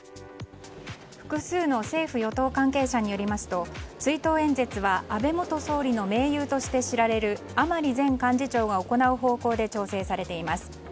複数の政府・与党関係者によりますと追悼演説は安倍元総理の盟友として知られる甘利前幹事長が行う方向で調整されています。